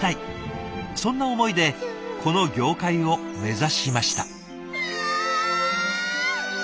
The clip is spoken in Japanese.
そんな思いでこの業界を目指しました。